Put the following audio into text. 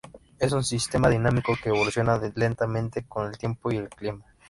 Es un sistema dinámico que evoluciona lentamente con el tiempo y el clima.